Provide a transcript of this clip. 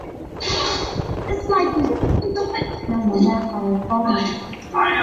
这动作有人说是源于哈奴曼。